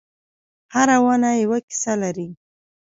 هره ونه یوه کیسه لري.